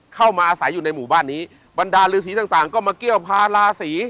เข้ามาอาศัยอยู่ในหมู่บ้านนี้บรรดาฤษีต่างต่างก็มาเกี้ยวพาราศี